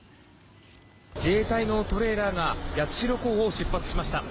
自衛隊のトレーラーが八代港を出発しました。